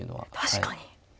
確かに。